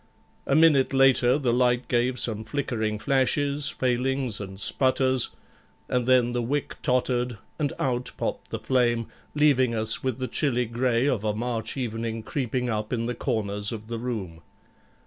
A minute later the light gave some flickering flashes, failings, and sputters, and then the wick tottered, and out popped the flame, leaving us with the chilly grey of a March evening creeping up in the corners of the room.